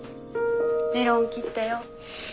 メロン切ったよ。